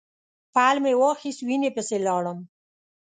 پل مې واخیست وینې پسې لاړم.